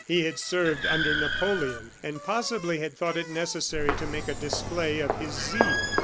He had served under Napoleon, and possibly had thought it necessary to make a display of his zeal.